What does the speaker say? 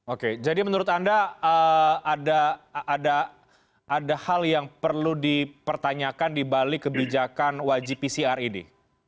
oke jadi menurut anda ada hal yang perlu dipertanyakan dibalik kebijakan wajib pcr ini